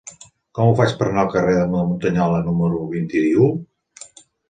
Com ho faig per anar al carrer de Muntanyola número vint-i-u?